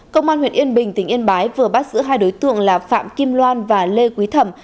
công an huyện yên bình tỉnh yên bái vừa bắt giữ hai đối tượng là phạm kim loan và lê quý thẩm